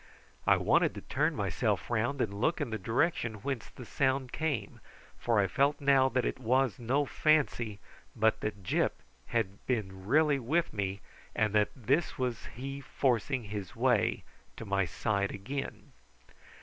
I wanted to turn myself round and look in the direction whence the sound came, for I felt now that it was no fancy, but that Gyp had been really with me, and that this was he forcing his way to my side again.